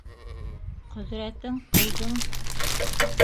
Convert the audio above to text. Ҡөҙрәтең ҡылдың!